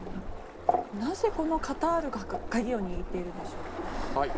なぜこのカタールが鍵を握ってるんでしょうか。